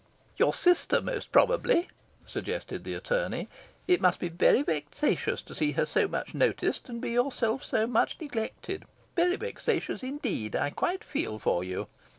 "Your sister, most probably," suggested the attorney. "It must be very vexatious to see her so much noticed, and be yourself so much neglected very vexatious, indeed I quite feel for you."